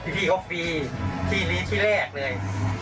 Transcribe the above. ที่ที่โฟฟรีที่ลีทที่แรกเลย